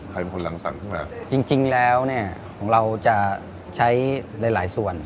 ใครเป็นคนหลังสั่งขึ้นมาจริงแล้วเนี่ยของเราจะใช้หลายส่วน